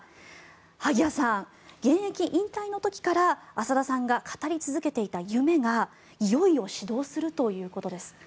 萩谷さん、現役引退の時から浅田さんが語り続けていた夢がいよいよ始動するということです。